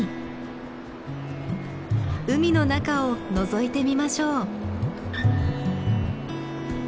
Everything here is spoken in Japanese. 海の中をのぞいてみましょう。